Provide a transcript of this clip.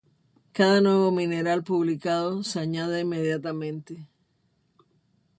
Cada nuevo mineral publicado se añade inmediatamente.